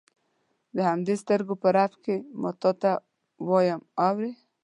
د همدې سترګو په رپ کې تا ته وایم اورې.